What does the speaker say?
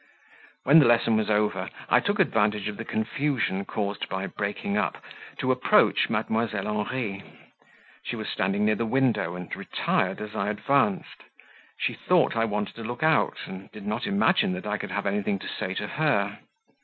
When the lesson was over, I took advantage of the confusion caused by breaking up, to approach Mdlle. Henri; she was standing near the window and retired as I advanced; she thought I wanted to look out, and did not imagine that I could have anything to say to her.